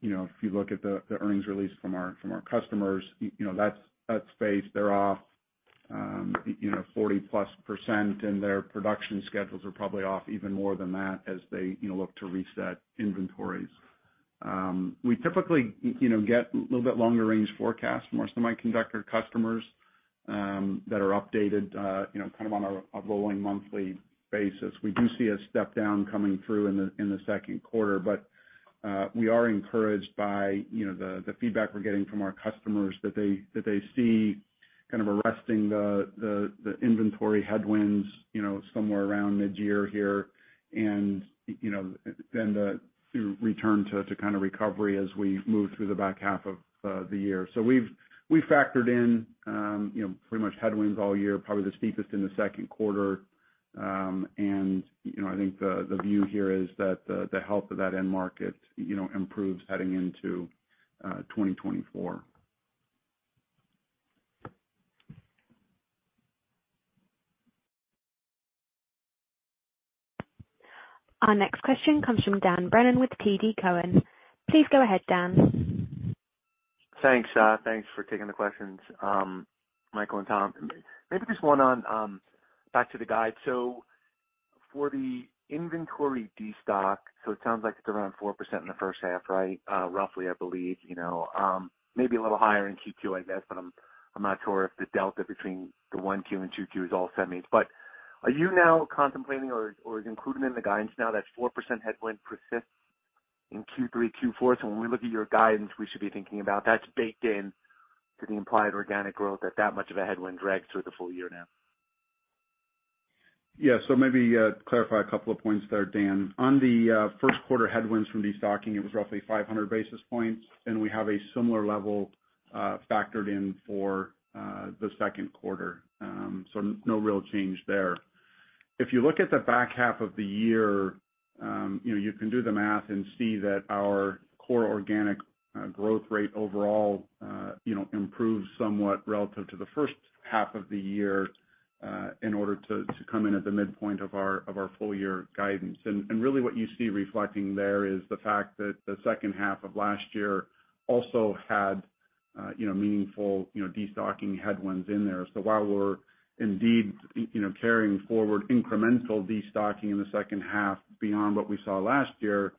You know, if you look at the earnings release from our customers, you know, that space, they're off, you know, 40%+ and their production schedules are probably off even more than that as they, you know, look to reset inventories. We typically, you know, get a little bit longer range forecast from our semiconductor customers that are updated, you know, kind of on a rolling monthly basis. We do see a step down coming through in the Q2, but we are encouraged by, you know, the feedback we're getting from our customers that they see kind of arresting the inventory headwinds, you know, somewhere around mid-year here and, you know, then the return to kind of recovery as we move through the back half of the year. We've factored in, you know, pretty much headwinds all year, probably the steepest in the Q2. You know, I think the view here is that the health of that end market, you know, improves heading into 2024. Our next question comes from Dan Brennan with TD Cowen. Please go ahead, Dan. Thanks, thanks for taking the questions, Michael and Tom. Maybe just one on back to the guide. For the inventory destock, it sounds like it's around 4% in the first half, right? Roughly, I believe, you know. Maybe a little higher in 2Q, I guess, but I'm not sure if the delta between the 1Q and 2Q is all semis. Are you now contemplating or is included in the guidance now that 4% headwind persists in 3Q, 4Q? When we look at your guidance, we should be thinking about that's baked in to the implied organic growth, that much of a headwind drags through the full year now. Yeah. Maybe clarify a couple of points there, Dan. On the Q1 headwinds from destocking, it was roughly 500 basis points, and we have a similar level factored in for the Q2. No real change there. If you look at the back half of the year, you know, you can do the math and see that our core organic growth rate overall, you know, improves somewhat relative to the first half of the year, in order to come in at the midpoint of our full year guidance. Really what you see reflecting there is the fact that the second half of last year also had, you know, meaningful, you know, destocking headwinds in there. While we're indeed, you know, carrying forward incremental destocking in the second half beyond what we saw last year,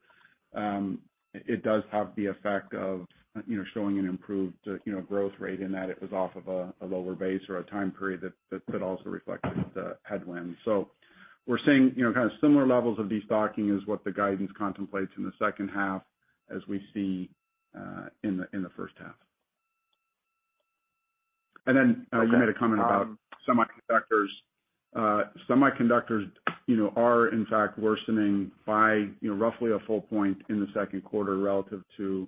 it does have the effect of, you know, showing an improved, you know, growth rate in that it was off of a lower base or a time period that also reflected the headwinds. We're seeing, you know, kind of similar levels of destocking is what the guidance contemplates in the second half as we see in the first half. Okay. You made a comment about semiconductors. Semiconductors, you know, are in fact worsening by, you know, roughly a full point in the Q2 relative to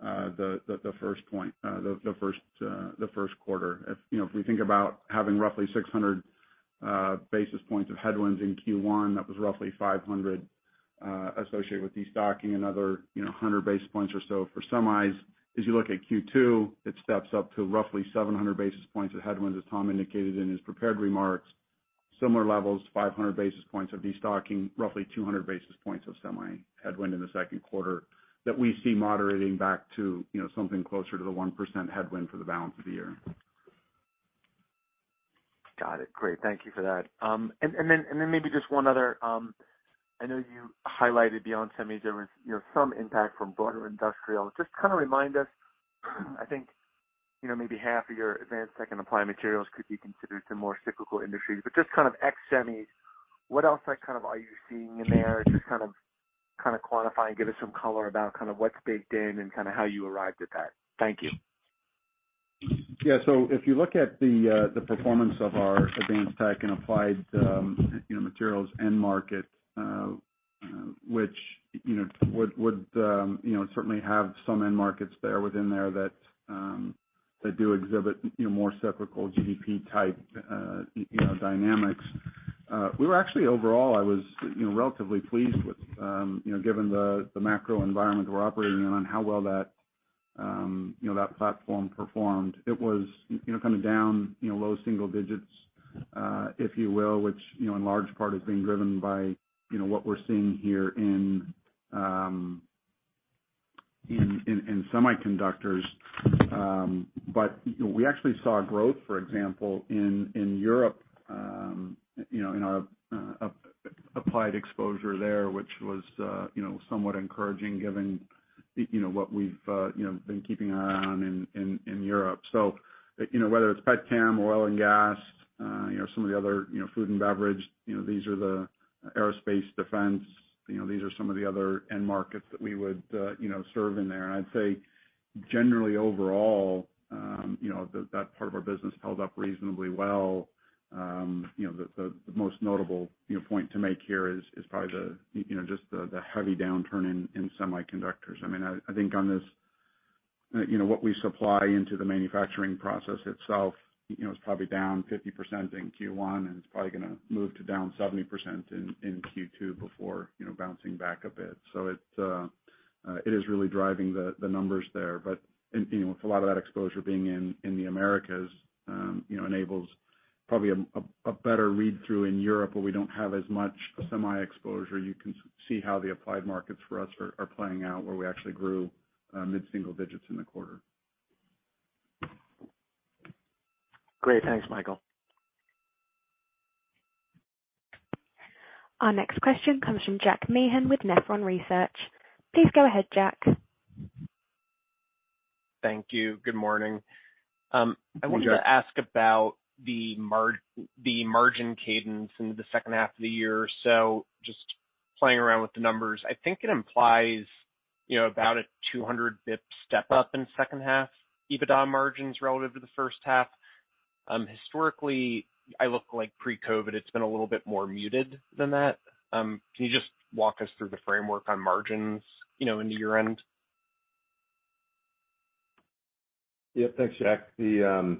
the first point, the Q1. If, you know, if we think about having roughly 600 basis points of headwinds in Q1, that was roughly 500 associated with destocking, another, you know, 100 basis points or so for semis. As you look at Q2, it steps up to roughly 700 basis points of headwinds, as Tom indicated in his prepared remarks. Similar levels, 500 basis points of destocking, roughly 200 basis points of semi headwind in the Q2 that we see moderating back to, you know, something closer to the 1% headwind for the balance of the year. Got it. Great. Thank you for that. Maybe just one other, I know you highlighted beyond semis, there was, you know, some impact from broader industrial. Just kind of remind us, I think, you know, maybe half of your advanced tech and applied materials could be considered some more cyclical industries, but just kind of ex-semis, what else like kind of are you seeing in there? Just kind of quantify and give us some color about kind of what's baked in and kind of how you arrived at that. Thank you. If you look at the performance of our advanced tech and applied, you know, materials end market, which, you know, would, you know, certainly have some end markets there within there that do exhibit, you know, more cyclical GDP type, you know, dynamics. We were actually overall, I was, you know, relatively pleased with, you know, given the macro environment we're operating in, on how well that, you know, that platform performed. It was, you know, kind of down, you know, low single digits, if you will, which, you know, in large part is being driven by, you know, what we're seeing here in semiconductors. We actually saw growth, for example, in Europe, you know, in our applied exposure there, which was, you know, somewhat encouraging given, you know, what we've, you know, been keeping our eye on in, in Europe. You know, whether it's petchem, oil and gas, you know, some of the other, you know, food and beverage, you know, these are the aerospace defense. You know, these are some of the other end markets that we would, you know, serve in there. I'd say generally overall, you know, that part of our business held up reasonably well. You know, the most notable, you know, point to make here is probably the, you know, just the heavy downturn in semiconductors. I mean, I think on this, you know, what we supply into the manufacturing process itself, you know, is probably down 50% in Q1, and it's probably gonna move to down 70% in Q2 before, you know, bouncing back a bit. It is really driving the numbers there. And, you know, with a lot of that exposure being in the Americas, you know, enables probably a better read-through in Europe where we don't have as much semi exposure. You can see how the applied markets for us are playing out, where we actually grew mid-single digits in the quarter. Great. Thanks, Michael. Our next question comes from Jack Meehan with Nephron Research. Please go ahead, Jack. Thank you. Good morning. Good morning. I wanted to ask about the margin cadence into the second half of the year. Just playing around with the numbers, I think it implies, you know, about a 200 basis points step-up in second half EBITDA margins relative to the first half. Historically, I look like pre-COVID, it's been a little bit more muted than that. Can you just walk us through the framework on margins, you know, into year-end? Yeah. Thanks, Jack. The,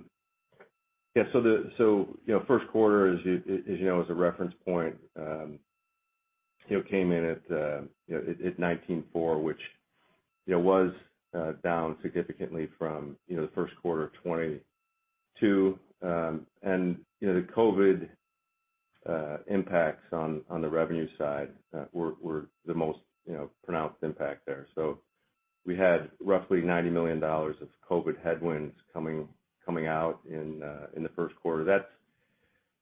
yeah, so, you know, Q1, as you, as you know, as a reference point, you know, came in at, you know, at $19.4, which, you know, was down significantly from, you know, the Q1 of 2022. You know, the COVID impacts on the revenue side, were the most, you know, pronounced impact there. So we had roughly $90 million of COVID headwinds coming out in the Q1. That's,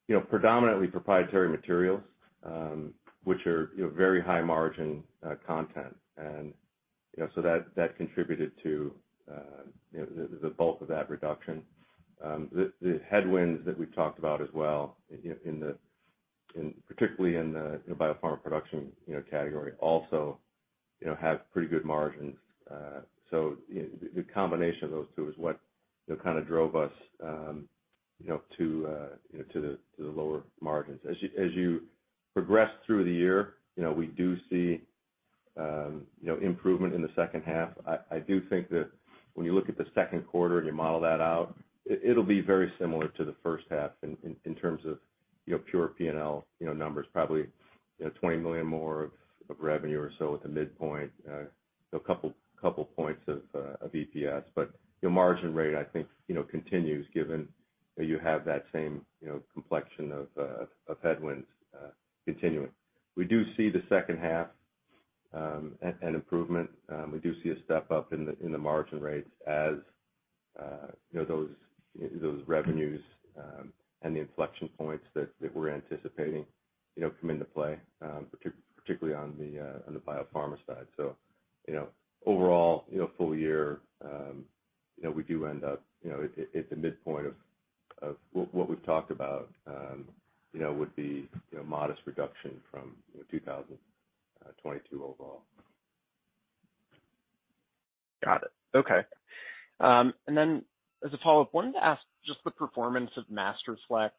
you know, predominantly proprietary materials, which are, you know, very high margin content. You know, so that contributed to, you know, the bulk of that reduction. The, the headwinds that we've talked about as well in the particularly in the biopharma production, you know, category also, you know, have pretty good margins. The, the combination of those two is what, you know, kind of drove us, you know, to, you know, to the, to the lower margins. As you progress through the year, you know, we do see, you know, improvement in the second half. I do think that when you look at the Q2 and you model that out, it'll be very similar to the first half in, in terms of, you know, pure PNL, you know, numbers, probably, you know, $20 million more of revenue or so at the midpoint. A couple points of EPS. Your margin rate, I think, you know, continues given that you have that same, you know, complexion of headwinds continuing. We do see the second half an improvement. We do see a step up in the margin rates as, you know, those revenues and the inflection points that we're anticipating, you know, come into play, particularly on the biopharma side. Overall, you know, full year, you know, we do end up, you know, at the midpoint of what we've talked about, you know, would be, you know, modest reduction from, you know, 2022 overall. Got it. Okay. As a follow-up, wanted to ask just the performance of Masterflex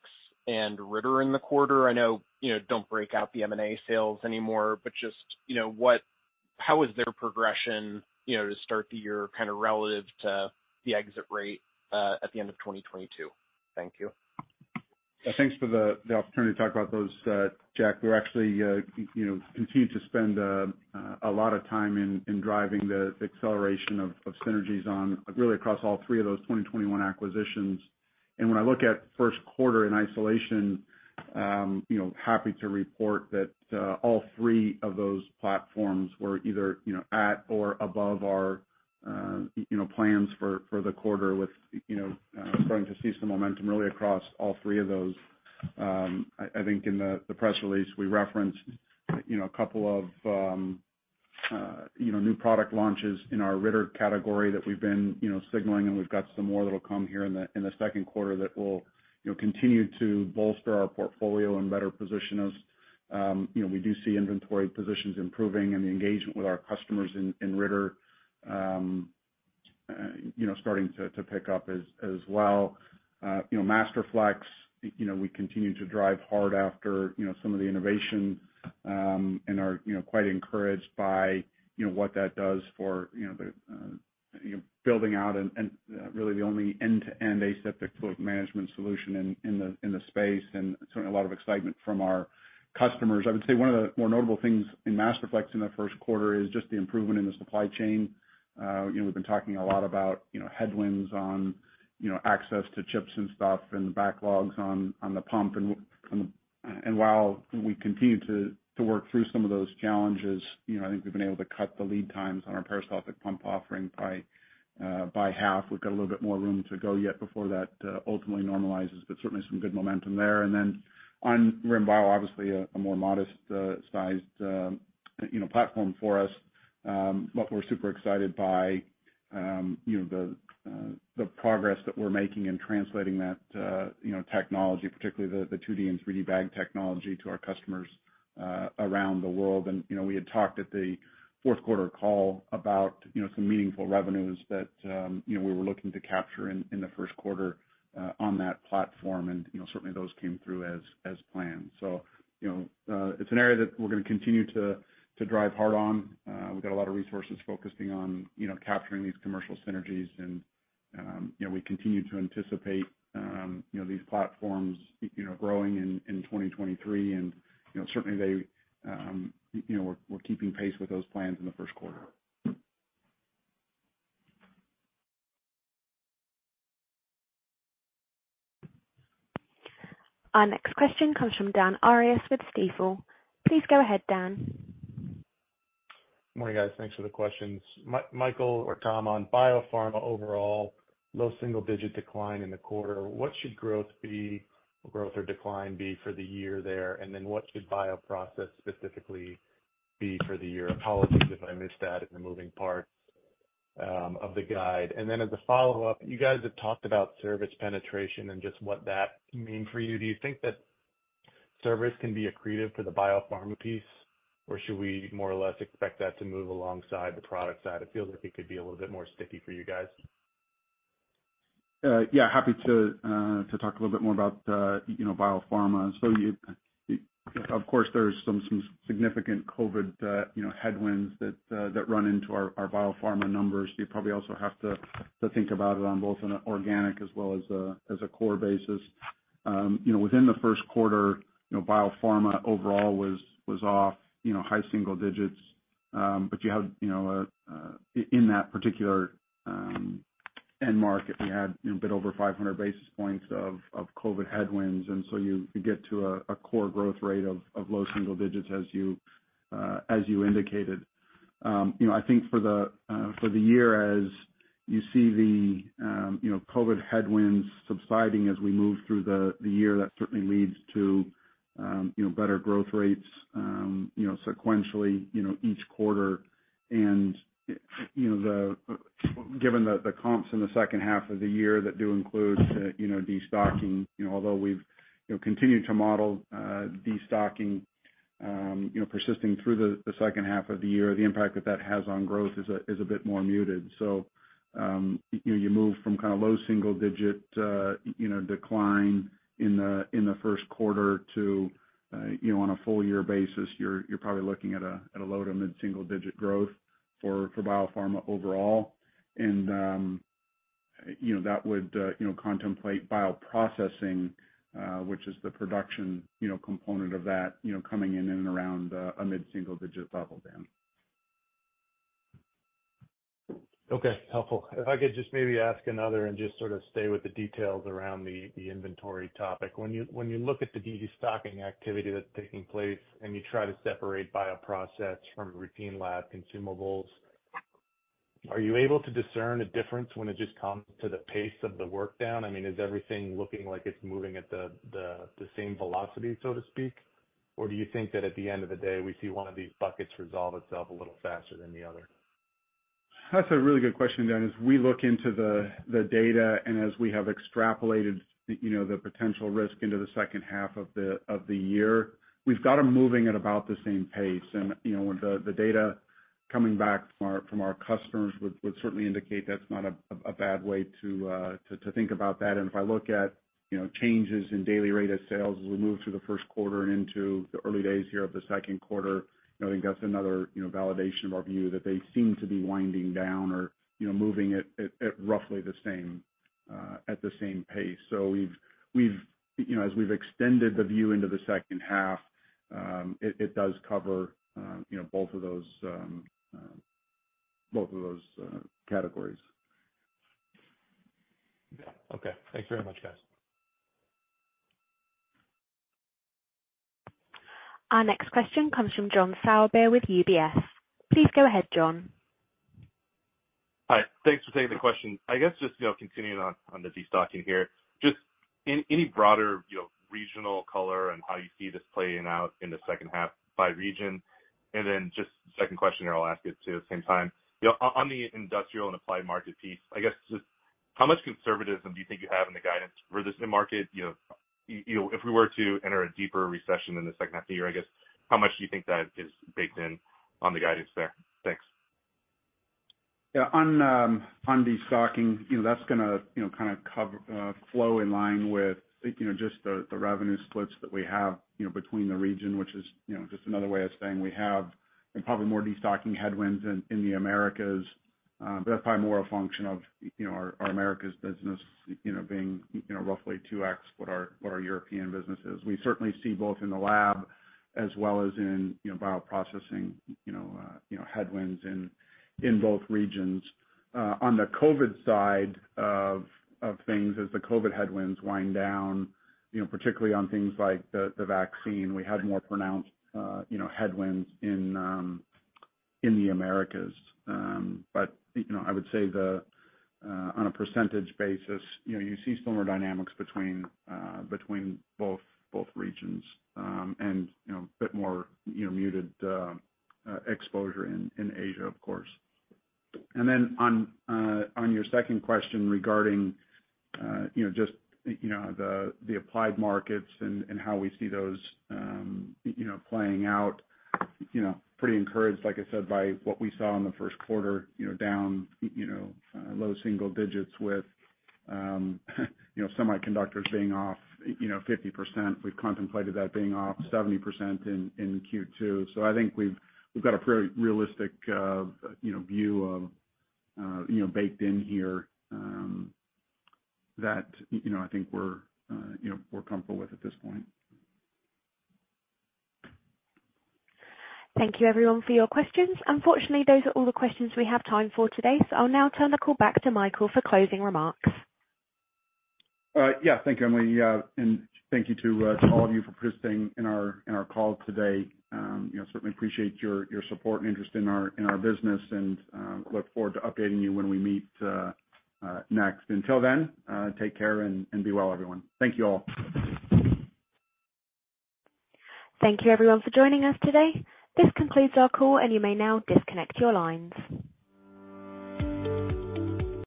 and Ritter in the quarter. I know, you know, don't break out the M&A sales anymore, but just, you know, how is their progression, you know, to start the year kind of relative to the exit rate at the end of 2022? Thank you. Thanks for the opportunity to talk about those, Jack. We're actually, you know, continue to spend a lot of time in driving the acceleration of synergies on really across all 3 of those 2021 acquisitions. When I look at Q1 in isolation, you know, happy to report that all 3 of those platforms were either, you know, at or above our, you know, plans for the quarter with, you know, starting to see some momentum really across all 3 of those. I think in the press release we referenced, you know, a couple of, you know, new product launches in our Ritter category that we've been, you know, signaling, and we've got some more that'll come here in the Q2 that will, you know, continue to bolster our portfolio and better position us. You know, we do see inventory positions improving and the engagement with our customers in Ritter, you know, starting to pick up as well. You know, Masterflex, you know, we continue to drive hard after, you know, some of the innovation, and are, you know, quite encouraged by, you know, what that does for, you know, the, you know, building out and really the only end-to-end aseptic fluid management solution in the, in the space, and certainly a lot of excitement from our customers. I would say one of the more notable things in Masterflex in the Q1 is just the improvement in the supply chain. You know, we've been talking a lot about, you know, headwinds on, you know, access to chips and stuff and the backlogs on the pump and while we continue to work through some of those challenges, you know, I think we've been able to cut the lead times on our peristaltic pump offering by half. We've got a little bit more room to go yet before that ultimately normalizes, but certainly some good momentum there. On RIM Bio, obviously a more modest sized, you know, platform for us. But we're super excited by, you know, the progress that we're making in translating that, you know, technology, particularly the 2D and 3D bag technology to our customers around the world. You know, we had talked at the Q4 call about, you know, some meaningful revenues that, you know, we were looking to capture in the Q1 on that platform, and, you know, certainly those came through as planned. You know, it's an area that we're gonna continue to drive hard on. We've got a lot of resources focusing on, you know, capturing these commercial synergies and, you know, we continue to anticipate, you know, these platforms, you know, growing in 2023. You know, certainly they, you know, we're keeping pace with those plans in the Q1. Our next question comes from Dan Arias with Stifel. Please go ahead, Dan. Good morning, guys. Thanks for the questions. Michael or Tom, on biopharma overall, low single digit decline in the quarter. What should growth be, growth or decline be for the year there? What should bioprocess specifically be for the year? Apologies if I missed that in the moving parts of the guide. As a follow-up, you guys have talked about service penetration and just what that mean for you. Do you think that service can be accretive for the biopharma piece, or should we more or less expect that to move alongside the product side? It feels like it could be a little bit more sticky for you guys. Yeah, happy to talk a little bit more about, you know, biopharma. Of course, there's some significant COVID, you know, headwinds that run into our biopharma numbers. You probably also have to think about it on both an organic as well as a core basis. You know, within the Q1, you know, biopharma overall was off, you know, high single digits. You had, you know, in that particular end market, we had a bit over 500 basis points of COVID headwinds, you get to a core growth rate of low single digits as you indicated. You know, I think for the year as you see the, you know, COVID headwinds subsiding as we move through the year, that certainly leads to, you know, better growth rates, you know, sequentially, you know, each quarter. You know, Given the comps in the second half of the year that do include, you know, destocking, you know, although we've, you know, continued to model destocking, you know, persisting through the second half of the year, the impact that that has on growth is a, is a bit more muted. You know, you move from kind of low single-digit, you know, decline in the, in the 1st quarter to, you know, on a full year basis, you're probably looking at a, at a low to mid single-digit growth for biopharma overall. You know, that would, you know, contemplate bioprocessing, which is the production, you know, component of that, you know, coming in and around, a mid-single-digit level then. Okay, helpful. If I could just maybe ask another and just sort of stay with the details around the inventory topic. When you look at the destocking activity that's taking place, and you try to separate bioprocess from routine lab consumables, are you able to discern a difference when it just comes to the pace of the workdown? I mean, is everything looking like it's moving at the same velocity, so to speak? Or do you think that at the end of the day, we see one of these buckets resolve itself a little faster than the other? That's a really good question, Dan. As we look into the data, and as we have extrapolated the, you know, the potential risk into the second half of the year, we've got them moving at about the same pace. You know, the data coming back from our customers would certainly indicate that's not a bad way to think about that. If I look at, you know, changes in daily rate of sales as we move through the Q1 and into the early days here of the Q2, I think that's another, you know, validation of our view that they seem to be winding down or, you know, moving at roughly the same pace. we've, you know, as we've extended the view into the second half, it does cover, you know, both of those categories. Okay. Thanks very much, guys. Our next question comes from John Sourbeer with UBS. Please go ahead, John. Hi. Thanks for taking the question. I guess just, you know, continuing on the destocking here. Just any broader, you know, regional color on how you see this playing out in the second half by region? Just second question here I'll ask you too at the same time. You know, on the industrial and applied market piece, I guess just how much conservatism do you think you have in the guidance for this new market? You know, if we were to enter a deeper recession in the second half of the year, I guess, how much do you think that is baked in on the guidance there? Thanks. Yeah. On destocking, you know, that's gonna, you know, kinda cover, flow in line with, you know, just the revenue splits that we have, you know, between the region, which is, you know, just another way of saying we have probably more destocking headwinds in the Americas. That's probably more a function of, you know, our Americas business, you know, being, you know, roughly 2x what our, what our European business is. We certainly see both in the lab as well as in, you know, bioprocessing, you know, headwinds in both regions. On the COVID side of things, as the COVID headwinds wind down, you know, particularly on things like the vaccine, we had more pronounced, you know, headwinds in the Americas. You know, I would say the on a percentage basis, you know, you see similar dynamics between both regions, and, you know, a bit more, you know, muted exposure in Asia, of course. On your second question regarding, you know, just, you know, the applied markets and how we see those, you know, playing out, you know, pretty encouraged, like I said, by what we saw in the Q1, you know, down low single digits with semiconductors being off, you know, 50%. We've contemplated that being off 70% in Q2. I think we've got a pretty realistic, you know, view of, you know, baked in here, that, you know, I think we're, you know, we're comfortable with at this point. Thank you everyone for your questions. Unfortunately, those are all the questions we have time for today. I'll now turn the call back to Michael for closing remarks. Yeah. Thank you, Emily. Thank you to all of you for participating in our, in our call today. You know, certainly appreciate your support and interest in our, in our business and look forward to updating you when we meet next. Until then, take care and be well, everyone. Thank you all. Thank you everyone for joining us today. This concludes our call, and you may now disconnect your lines.